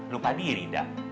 lupa diri dah